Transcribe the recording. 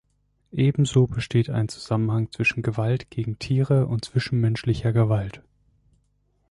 Ebenso besteht ein Zusammenhang zwischen Gewalt gegen Tiere und zwischenmenschlicher Gewalt.